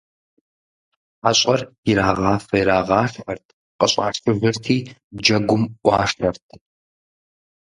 ХьэщӀэр ирагъафэ-ирагъашхэрт, къыщӀашыжырти джэгум Ӏуашэрт.